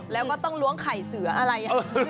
แล้วก็ต้องล้วงไข่เสืออะไร